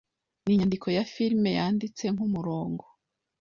Ni inyandiko ya firime yanditse nkumurongo